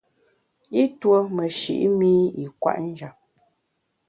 I tuo meshi’ mi i kwet njap.